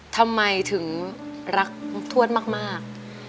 ทำไมถึงรักทวดมาก